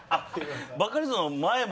バカリズムの前も？